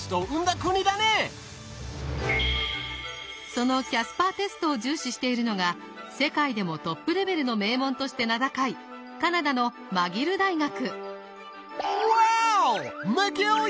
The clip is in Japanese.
そのキャスパーテストを重視しているのが世界でもトップレベルの名門として名高いカナダのマギル大学。